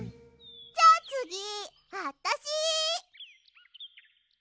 じゃあつぎあったし！